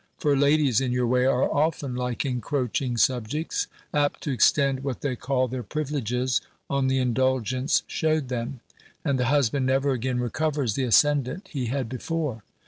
For ladies in your way are often like encroaching subjects; apt to extend what they call their privileges, on the indulgence shewed them; and the husband never again recovers the ascendant he had before."